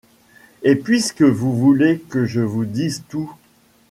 Et puisque vous voulez que je vous dise tout